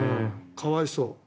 可哀想。